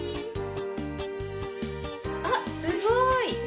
あっすごい！